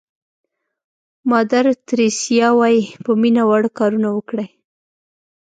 مادر تریسیا وایي په مینه واړه کارونه وکړئ.